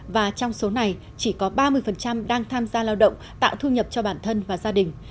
và trong số này chỉ có ba mươi đang tham gia lao động tạo thu nhập cho bản thân và gia đình